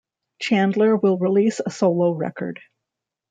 Chandler will release a solo record.